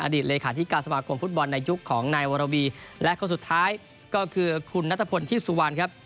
เลขาธิการสมาคมฟุตบอลในยุคของนายวรวีและคนสุดท้ายก็คือคุณนัทพลที่สุวรรณครับ